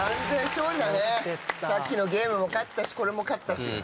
さっきのゲームも勝ったしこれも勝ったし。